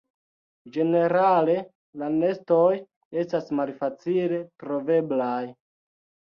Ĝenerale la nestoj estas malfacile troveblaj.